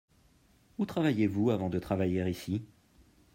Où travailliez-vous avant de travailler ici ?